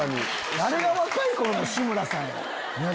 誰が若い頃の志村さんや！